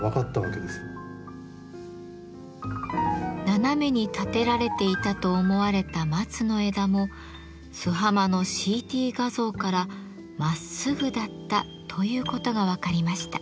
斜めに立てられていたと思われた松の枝も「洲浜」のＣＴ画像からまっすぐだったということが分かりました。